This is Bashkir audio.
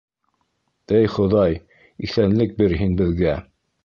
Эй, Хоҙай, иҫәнлек бир һин беҙгә!